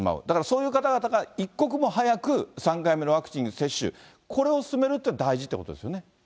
だからそういう方々が一刻も早く、３回目のワクチン接種、これを進めるというのが大事ということですよね。